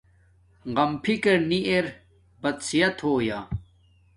غم فکر نی ار بد صحت ہویا